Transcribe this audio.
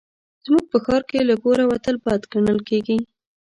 زموږ په ښار کې له کوره وتل بد ګڼل کېږي